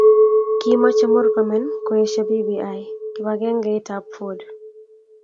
Kimoche Murkomen koesio bbi kibangengeit ab Ford